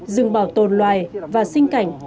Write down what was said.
rừng bảo tồn loài và sinh cảnh